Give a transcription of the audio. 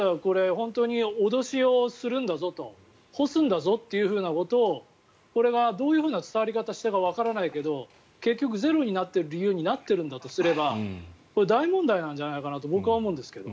本当に脅しをするんだぞと干すんだぞということをこれがどういうふうな伝わり方をしたかわからないけど結局、ゼロになっている理由になっているんだとすれば大問題なんじゃないかなと僕は思うんですけど。